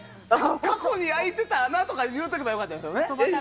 過去に開いてた穴とか言っておけば良かったですよね。